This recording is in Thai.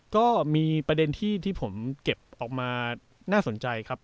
ก็มีประเด็นที่ผมเก็บออกมาน่าสนใจครับ